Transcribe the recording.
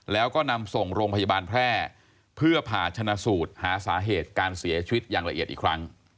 แล้วก็นำส่งโรงพยาบาลแพร่เพื่อผ่าชนะสูตรหาสาเหตุการเสียชีวิตอย่างละเอียดอีกครั้ง